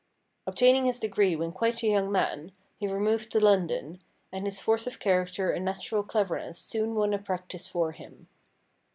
Obtaining his degree when quite a young man, he removed to London, and his force of character and natural cleverness soon won a practice for him.